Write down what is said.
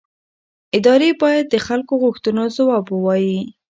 ادارې باید د خلکو غوښتنو ځواب ووایي